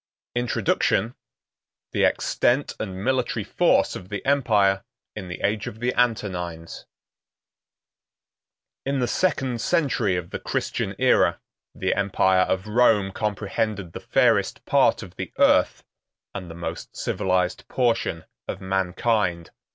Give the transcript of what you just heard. Introduction. The Extent And Military Force Of The Empire In The Age Of The Antonines. In the second century of the Christian Æra, the empire of Rome comprehended the fairest part of the earth, and the most civilized portion of mankind.